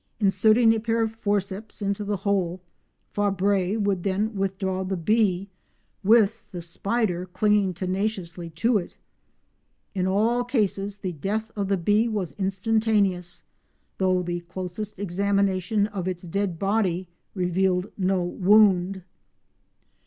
Inserting a pair of forceps into the hole, Fabre would then withdraw the bee with the spider clinging tenaciously to it. In all cases the death of the bee was instantaneous, though the closest examination of its dead body revealed no wound.